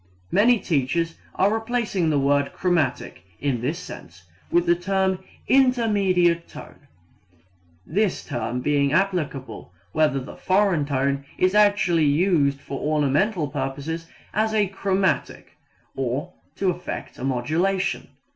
Many teachers are replacing the word chromatic in this sense with the term intermediate tone, this term being applicable whether the foreign tone is actually used for ornamental purposes as a chromatic, or to effect a modulation.